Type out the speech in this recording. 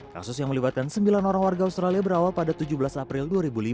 kasus yang melibatkan sembilan orang warga australia berawal pada tujuh belas april dua ribu lima